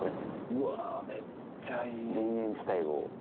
うわめっちゃいい！